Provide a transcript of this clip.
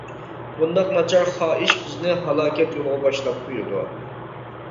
بۇنداق ناچار خاھىش بىزنى ھالاكەت يولىغا باشلاپ قويىدۇ.